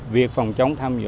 việc phòng chống tham dự